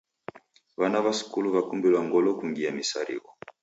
W'ana w'a skulu w'akumbilwa ngolo kungia misarigho.